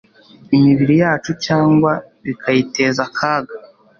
imibiri yacu cyangwa bikayiteza akaga